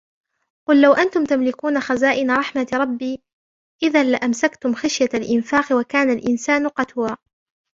قل لو أنتم تملكون خزائن رحمة ربي إذا لأمسكتم خشية الإنفاق وكان الإنسان قتورا